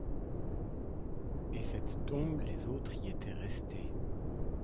Et cette tombe, les autres y étaient restés.